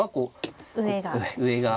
上が。